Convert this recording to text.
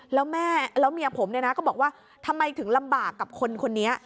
แล้วแม่แล้วเมียผมเนี่ยนะก็บอกว่าทำไมถึงลำบากกับคนคนนี้